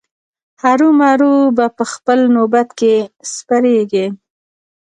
هرو مرو به په خپل نوبت کې سپریږي.